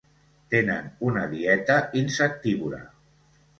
Tenen una dieta insectívora.